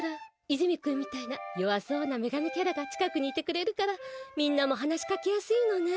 和泉くんみたいな弱そうなメガネキャラが近くにいてくれるから、みんなも話しかけやすいのね。